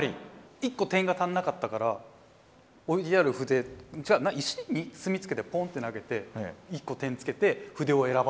１個点が足んなかったから置いてある筆じゃない石に墨つけてポンって投げて１個点つけて筆を選ばずみたいな。